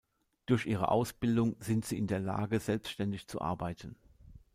Durch ihre Ausbildung sind sie in der Lage, selbständig zu arbeiten.